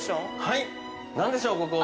はい何でしょうここ。